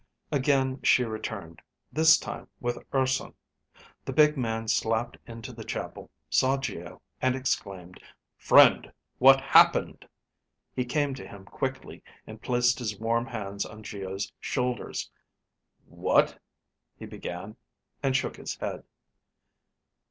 Again she returned, this time with Urson. The big man stepped into the chapel, saw Geo, and exclaimed, "Friend, what happened?" He came to him quickly and placed his warm hands on Geo's shoulders. "What ..." he began, and shook his head.